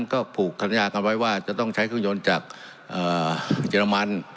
ก็ผูกฆนการยังไว้ว่าจะต้องใช้เครื่องโยนจากอ่าเจรมัน